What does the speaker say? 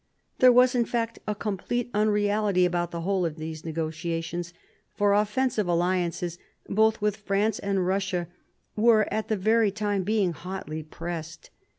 There was, in fact, a complete # unreality about the whole of these negotiations ; for offensive alliances, both with France and Eussia, were at the very time being hotly pressed.